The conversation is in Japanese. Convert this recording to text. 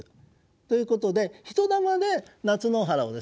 ということで飛と魂で夏の原をですね